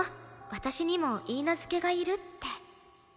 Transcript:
私にも許嫁がいるって。